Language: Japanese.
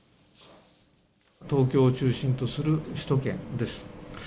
東京を中心とする首都圏です。